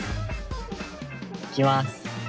いきます。